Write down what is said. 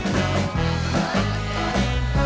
รับทราบ